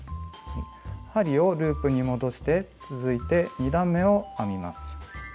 針をループに戻して続いて２段めを編みます。